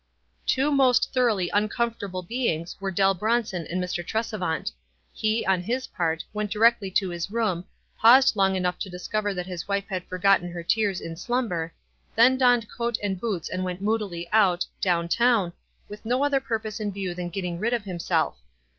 Two most thoroughly uncomfortable beings were Dell Bronson and Mr. Tresevant. He, on his part, went directly to his room, paused long enough to discover that his wife had forgotten her tears in slumber, then donned coat and boots and went moodily out, down town, with no other purpose in view than getting rid of himself.